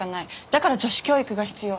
だから女子教育が必要。